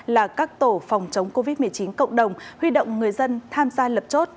là các tổ phòng chống covid một mươi chín cộng đồng huy động người dân tham gia lập chốt